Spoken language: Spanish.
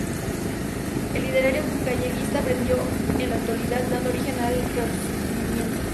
El ideario galleguista prendió en la intelectualidad, dando origen al Rexurdimento.